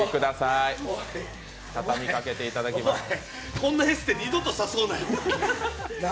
こんなエステ二度と誘うなよ。